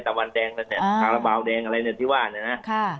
ตะวันแดงแล้วเนี่ยคาราบาลแดงอะไรเนี่ยที่ว่าเนี่ยนะ